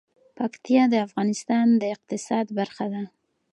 پکتیا د افغانستان د اقتصاد برخه ده.